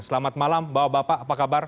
selamat malam bapak bapak apa kabar